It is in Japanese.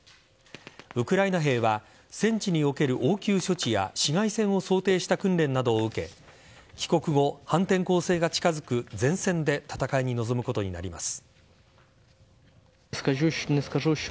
ウクライナ兵は戦地における応急処置や市街戦を想定した訓練などを受け帰国後、反転攻勢が近づく前線で戦いに臨むことになります。